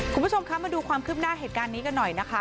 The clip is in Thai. คุณผู้ชมคะมาดูความคืบหน้าเหตุการณ์นี้กันหน่อยนะคะ